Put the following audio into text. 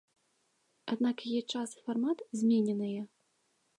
Аднак яе час і фармат змененыя.